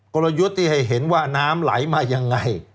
กลยุทธ์ที่ให้เห็นว่าน้ำไหลมายังไง